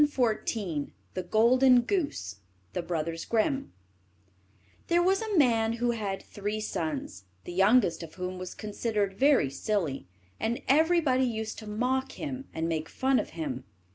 CHAPTER IX THE GOLDEN GOOSE There was a man who had three sons, the youngest of whom was considered very silly, and everybody used to mock him and make fun of him.